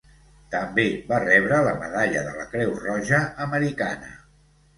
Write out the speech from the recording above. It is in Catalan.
També va rebre la medalla de la Creu Roja Americana.